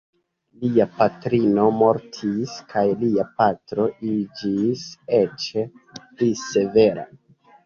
Lia patrino mortis kaj lia patro iĝis eĉ pli severa.